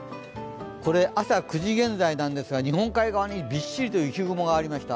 これ、朝９時現在なんですが、日本海側にびっしりと雪雲がありました。